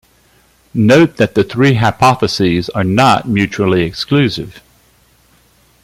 Note that the three hypotheses are not mutually exclusive.